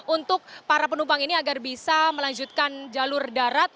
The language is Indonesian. untuk para penumpang ini agar bisa melanjutkan jalur darat